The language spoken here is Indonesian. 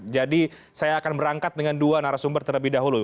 jadi saya akan berangkat dengan dua narasumber terlebih dahulu